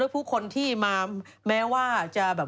ปลาหมึกแท้เต่าทองอร่อยทั้งชนิดเส้นบดเต็มตัว